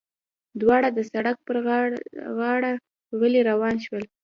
دواړه د سړک پر غاړه غلي روان شول.